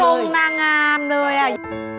ทรงน่าง่ำเลย